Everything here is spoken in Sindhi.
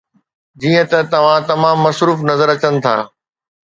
جيئن ته توهان تمام مصروف نظر اچن ٿا